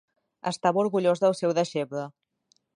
Estava orgullós del seu deixeble.